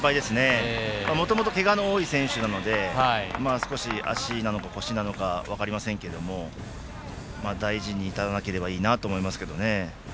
もともと、けがの多い選手なので少し、足なのか腰なのか分かりませんけど大事に至らなければいいなと思いますけどね。